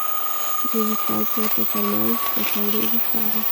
د وصال صیب په فرمایش پکوړې وخوړل.